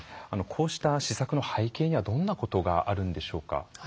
こうした施策の背景にはどんなことがあるんでしょうか？